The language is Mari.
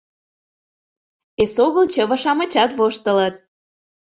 Эсогыл чыве-шамычат воштылыт.